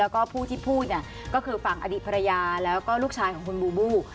ก็คือฝั่งอดีตภรรยาแล้วก็ลูกชายของคุณบูบู